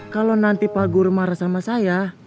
kalo nanti pak guru marah sama saya